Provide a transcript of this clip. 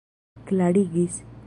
klarigis